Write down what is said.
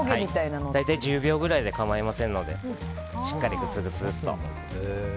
大体１０秒ぐらいで構いませんのでしっかり、グツグツと。